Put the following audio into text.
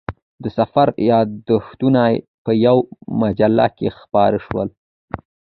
د سفر یادښتونه په یوه مجله کې خپاره شول.